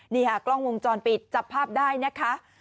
นี่ค่ะกล้องวงจรปิดจับภาพได้นะคะ